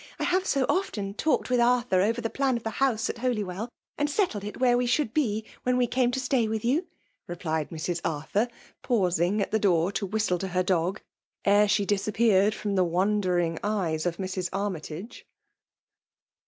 I have so often talked with Arthur over the plan of the house at Holy well; and settled it where we should be, when we came to stay with you," replied Mrs. Arthur ; pausing at the door, to whistle to her dog, ere she disappeared from the wondering^ eyes of Mrs. Armytage.